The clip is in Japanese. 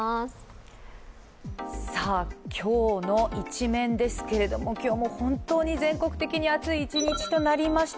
今日の「イチメン」ですけれども、今日も本当に全国的に暑い一日となりました。